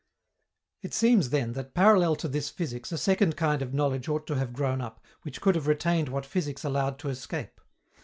It seems then that, parallel to this physics, a second kind of knowledge ought to have grown up, which could have retained what physics allowed to escape.